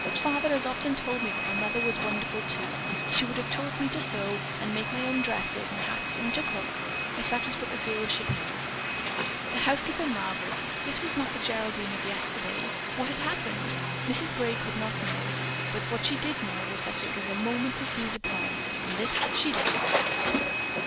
Father has often told me that my mother was wonderful, too. She would have taught me to sew and make my own dresses and hats and to cook, if that is what a girl should know." The housekeeper marveled. This was not the Geraldine of yesterday. What had happened? Mrs. Gray could not know, but what she did know was that it was a moment to seize upon, and this she did.